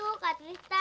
itu kak tristan